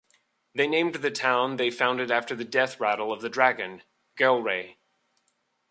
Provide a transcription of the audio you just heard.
They named the town they founded after the death rattle of the dragon: Gelre!